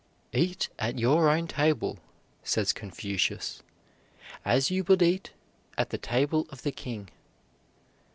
"Eat at your own table," says Confucius, "as you would eat at the table of the king."